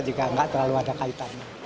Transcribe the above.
juga tidak terlalu ada kaitannya